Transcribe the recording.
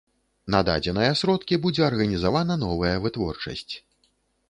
На дадзеныя сродкі будзе арганізавана новая вытворчасць.